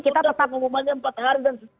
itu tetap ngumumannya empat hari dan seterusnya